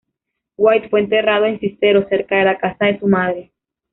White fue enterrado en Cicero, cerca de la casa de su madre.